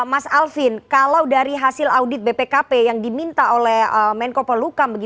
mas alvin kalau dari hasil audit bpkp yang diminta oleh menko polukam